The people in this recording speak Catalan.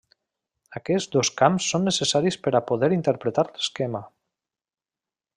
Aquests dos camps són necessaris per a poder interpretar l'esquema.